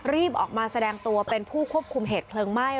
รีบออกมาแสดงตัวเป็นผู้ควบคุมเหตุเพลิงไหม้